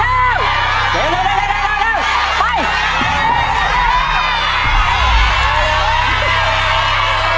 น้ำแดงลงไปแล้ว